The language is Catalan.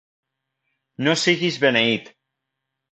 No siguis beneit!